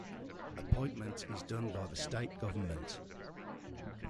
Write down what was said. Appointment is done by the State Government.